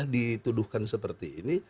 dituduhkan seperti ini